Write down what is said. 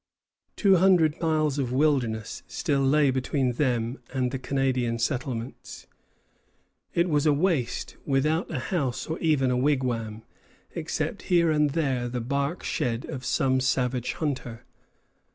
Two hundred miles of wilderness still lay between them and the Canadian settlements. It was a waste without a house or even a wigwam, except here and there the bark shed of some savage hunter.